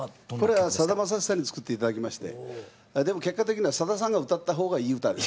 これはさだまさしさんに作って頂きましてでも結果的にはさださんが歌った方がいい歌です。